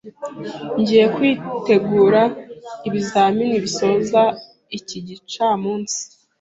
Ngiye kwitegura ibizamini bisoza iki gicamunsi.